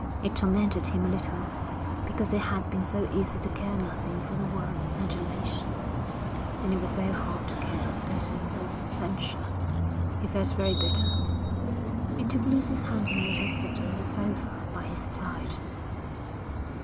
It tormented him a little because it had been so easy to care nothing for the world's adulation, and it was so hard to care as little for its censure. He felt very bitter. He took Lucy's hand and made her sit on the sofa by his side.